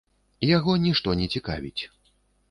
Яго нішто не цікавіць.